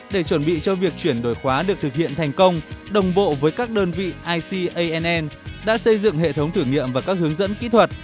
để chuẩn bị cho việc chuyển đổi khóa được thực hiện thành công đồng bộ với các đơn vị ican đã xây dựng hệ thống thử nghiệm và các hướng dẫn kỹ thuật